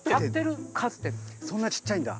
そんなちっちゃいんだ。